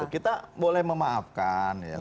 kita boleh memaafkan ya